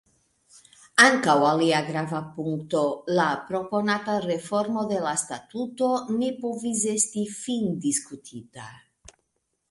Ankaŭ alia grava punkto, la proponata reformo de la statuto, ne povis esti findiskutita.